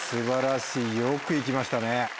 よく行きましたね。